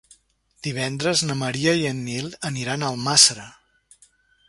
Divendres na Maria i en Nil aniran a Almàssera.